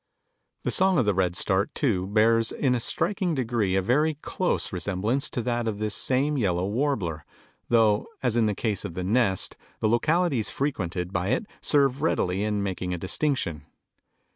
The song of the Redstart, too, bears in a striking degree a very close resemblance to that of this same yellow warbler, though, as in the case of the nest, the localities frequented by it serve readily in making a distinction.